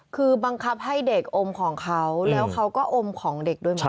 คือบังคับให้เด็กอมของเขาแล้วเขาก็อมของเด็กด้วยเหมือนกัน